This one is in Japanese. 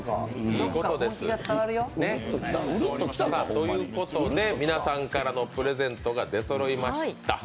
ということで、皆さんからのプレゼントが出そろいました。